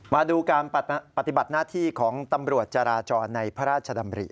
มาดูการปฏิบัติหน้าที่ของตำรวจจราจรในพระราชดำริ